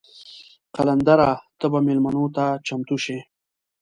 قلندره ته به میلمنو ته چمتو شې.